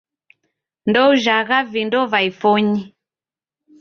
Ndoujhagha vindo va ifonyi